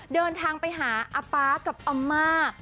เดินทางไปหาอาป๊ากับอาม่า